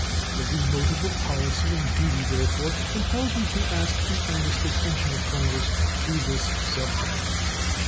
Every motive of policy and duty, therefore, impels me to ask the earnest attention of Congress to this subject.